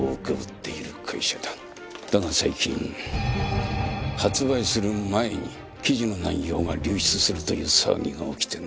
だが最近発売する前に記事の内容が流出するという騒ぎが起きてな。